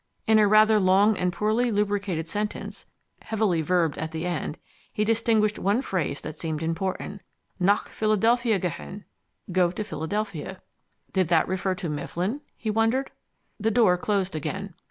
In a rather long and poorly lubricated sentence, heavily verbed at the end, he distinguished one phrase that seemed important. "Nach Philadelphia gehen" "Go to Philadelphia." Did that refer to Mifflin? he wondered. The door closed again.